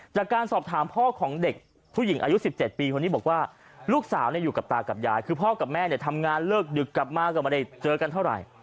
จากการสอบถามพ่อของเด็กผู้หญิงอายุ๑๗ปีคนนี้บอกว่าลูกสาวอยู่กับตากับยายคือพ่อกับแม่เนี่ยทำงานเลิกดึกกลับมาก็ไม่ได้เจอกันเท่าไหร่